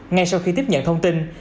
ngay sau khi tiếp nhận thông tin